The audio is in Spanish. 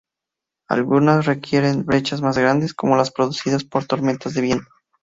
Algunas requieren brechas más grandes, como las producidas por tormentas de viento.